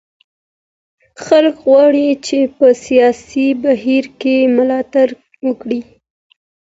خلګ غواړي چي په سياسي بهير کي ملاتړ وکړي.